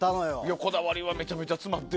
こだわりがめちゃめちゃ詰まってる。